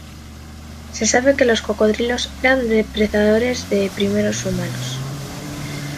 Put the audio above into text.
Se sabe que los cocodrilos eran depredadores de los primeros humanos.